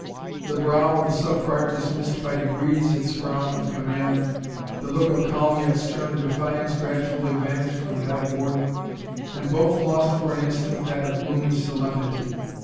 The brow of the Sub Prior dismissed by degrees its frown of command, the look of calm yet stern defiance gradually vanished from that of Warden, and both lost for an instant that of gloomy solemnity.